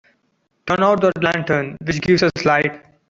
Turn out the lantern which gives us light.